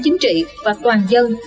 chính trị và toàn dân